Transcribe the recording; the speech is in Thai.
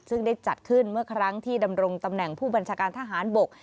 ซึ่งได้จัดขึ้นเมื่อครั้งที่ดำรงตำแหน่งผู้บัญชาการทหารบก